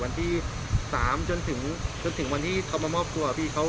วันที่๓จนถึงวันที่เขามามอบตัวพี่เขา